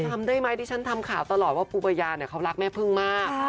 จำได้ไหมที่ฉันทำข่าวตลอดว่าปูปายาเนี่ยเขารักแม่พึ่งมาก